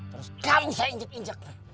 terus kamu saya injak injak